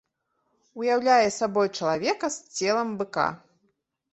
Уяўляе сабой чалавека з целам быка.